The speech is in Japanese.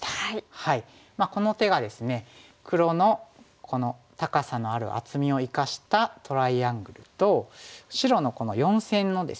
この手がですね黒のこの高さのある厚みを生かしたトライアングルと白のこの四線のですね